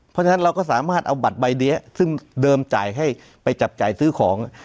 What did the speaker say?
เพราะฉะนั้นเราก็สามารถเอาบัตรใบนี้ซึ่งเดิมจ่ายให้ไปจับจ่ายซื้อของ